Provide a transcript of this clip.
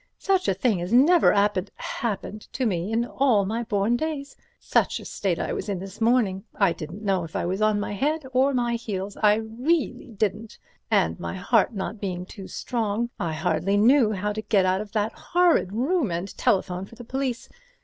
Such a thing has never 'appened—happened to me in all my born days. Such a state I was in this morning—I didn't know if I was on my head or my heels—I reely didn't, and my heart not being too strong, I hardly knew how to get out of that horrid room and telephone for the police.